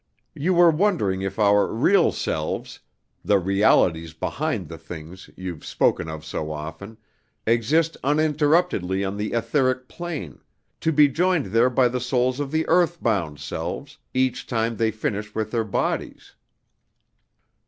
You were wondering if our Real Selves (the 'realities behind the Things' you've spoken of so often) exist uninterruptedly on the Etheric Plane, to be joined there by the souls of the earthbound selves, each time they finish with their bodies.